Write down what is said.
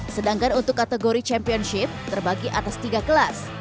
sedangkan untuk kategori championship terbagi atas tiga kelas